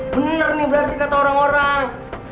bener nih berarti kata orang orang